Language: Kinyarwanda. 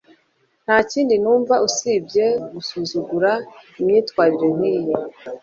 nta kindi numva usibye gusuzugura imyitwarire nkiyi